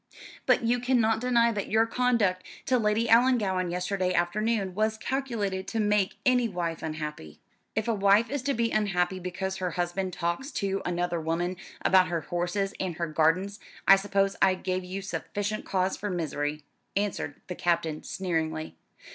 But you cannot deny that your conduct to Lady Ellangowan yesterday afternoon was calculated to make any wife unhappy." "If a wife is to be unhappy because her husband talks to another woman about her horses and her gardens, I suppose I gave you sufficient cause for misery," answered the Captain sneeringly.